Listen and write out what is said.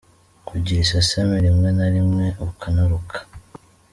Kugira isesemi rimwe na rimwe ukanaruka.